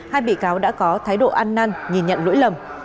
hai bị cáo đã có thái độ ăn năn nhìn nhận lỗi lầm